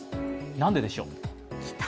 なんででしょう。